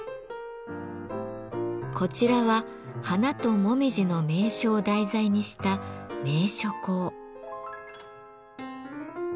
こちらは花と紅葉の名所を題材にした「名所香」。